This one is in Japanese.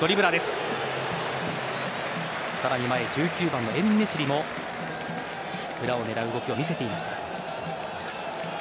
１９番のエンネシリも裏を狙う動きを見せていました。